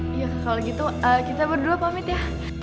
eh ya kak kalo gitu kita berdua pamit ya